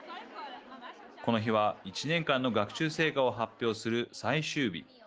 この日は、１年間の学習成果を発表する最終日。